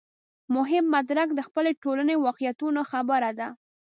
مهم مدرک د خپلې ټولنې واقعیتونو خبره ده.